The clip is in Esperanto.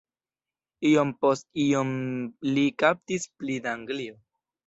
Iom post iom li kaptis pli da Anglio.